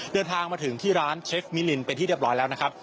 เดินทางมาถึงที่ร้านเช็คมิลินเป็นที่เรียบร้อยแล้วนะครับ